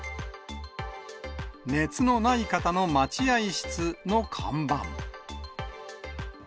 熱のない方の待合室の看板。